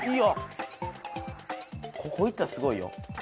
ここいったらすごいよ。